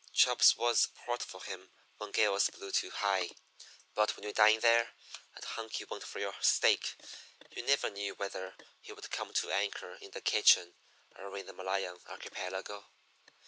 Chubb's was a port for him when gales blew too high; but when you dined there and Hunky went for your steak you never knew whether he would come to anchor in the kitchen or in the Malayan Archipelago.